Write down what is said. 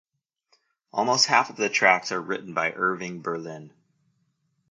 Almost half of the tracks are written by Irving Berlin.